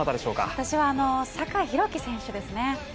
私は酒井宏樹選手ですね。